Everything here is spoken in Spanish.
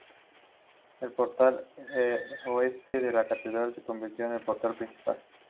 El portal oeste de la catedral se convirtió en el portal principal.